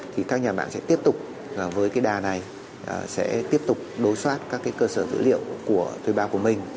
thì các nhà mạng sẽ tiếp tục với cái đà này sẽ tiếp tục đối soát các cơ sở dữ liệu của thuê bao của mình